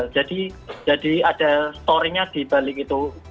jadi ada story nya di balik itu